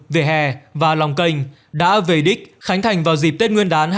về hè và lòng canh đã về đích khánh thành vào dịp tết nguyên đán hai nghìn hai mươi